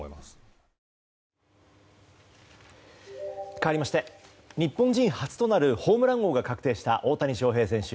かわりまして日本人初となる、ホームラン王が確定した大谷選手。